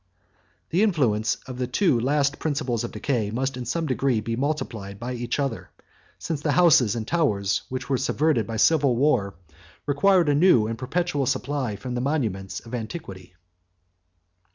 48 The influence of the two last principles of decay must in some degree be multiplied by each other; since the houses and towers, which were subverted by civil war, required by a new and perpetual supply from the monuments of antiquity.